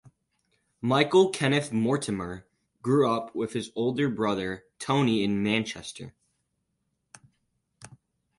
Michael Kenneth Mortimer grew up with his older brother Tony in Manchester.